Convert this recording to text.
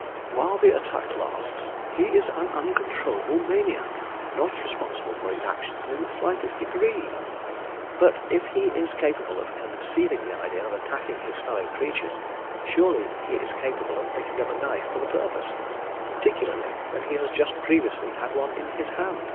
While the attack lasts he is an uncontrollable maniac, not responsible for his actions in the slightest degree." "But, if he is capable of conceiving the idea of attacking his fellow creatures, surely he is capable of picking up a knife for the purpose, particularly when he has just previously had one in his hand?"